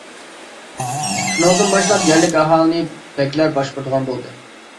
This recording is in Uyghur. شۇنىڭدىن باشلاپ يەرلىك ئاھالىنى بەگلەر باشقۇرىدىغان بولدى.